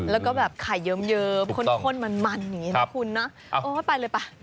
แล้วก็แบบไข่เยิ้มข้นมันอย่างนี้นะคุณนะโอ้ยไปเลยไป